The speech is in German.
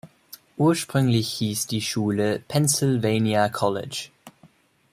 Ursprünglich hieß die Schule "Pennsylvania College".